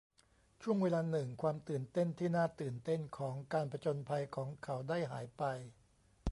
ช่วงเวลาหนึ่งความตื่นเต้นที่น่าตื่นเต้นของการผจญภัยของเขาได้หายไป